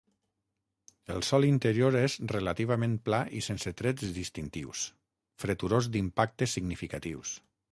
El sòl interior és relativament pla i sense trets distintius, freturós d'impactes significatius.